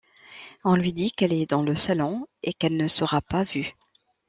On lui dit qu'elle est dans le salon et qu'elle ne sera pas vue.